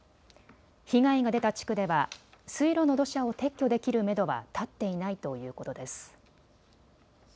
被害が出た地区では水路の土砂を撤去できるめどは立っていないということです。